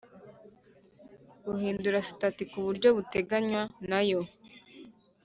guhindura sitati ku buryo buteganywa nayo